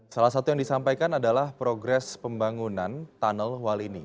salah satu yang disampaikan adalah progres pembangunan tunnel walini